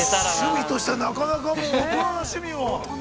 ◆趣味としてはなかなか大人な趣味を。